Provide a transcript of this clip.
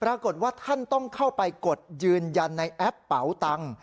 ปรากฏว่าท่านต้องเข้าไปกดยืนยันในแอปเป๋าตังค์